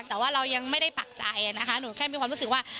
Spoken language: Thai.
แต่ว่าเรายังไม่ได้ปักใจนะคะหนูแค่มีความรู้สึกว่า